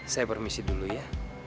saya permisi dulu ya